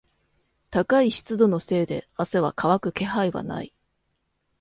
高い湿度のせいで汗は乾く気配はない。